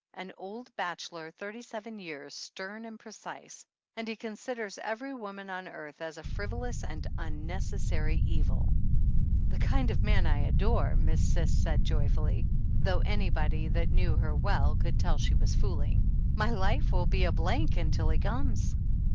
An old bach elor, thirty seven years, stern and precise; and he considers every woman on earth as a frivolous and wwnecessary evil." "The kind of man I adore," Miss Cis said joyfully, though anybody that knew her well 123 THE ANNALS OF ANN could tell she was fooling. "My life will be a blank until he comes